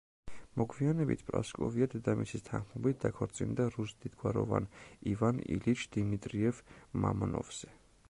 მოგვიანებით პრასკოვია დედამისის თანხმობით დაქორწინდა რუს დიდგვაროვან ივან ილიჩ დიმიტრიევ-მამონოვზე.